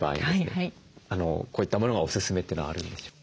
こういったものがおすすめというのはあるんでしょうか？